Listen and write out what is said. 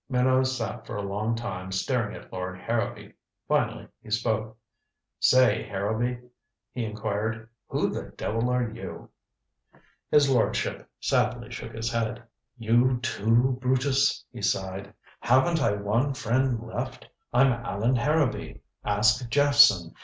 Minot sat for a long time staring at Lord Harrowby. Finally he spoke. "Say, Harrowby," he inquired, "who the devil are you?" His lordship sadly shook his head. "You, too, Brutus," he sighed. "Haven't I one friend left? I'm Allan Harrowby. Ask Jephson.